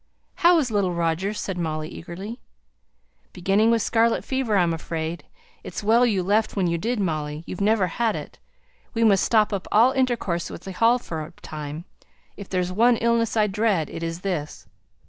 "How is little Roger?" said Molly, eagerly. "Beginning with scarlet fever, I'm afraid. It's well you left when you did, Molly. You've never had it. We must stop up all intercourse with the Hall for a time. If there's one illness I dread, it is this."